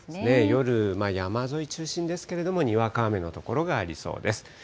夜、山沿い中心ですけれども、にわか雨の所がありそうです。